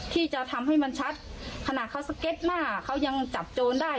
ที่จะทำให้มันชัดขนาดเขาสเก็ตหน้าเขายังจับโจรได้